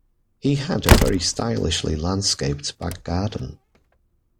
He had a very stylishly landscaped back garden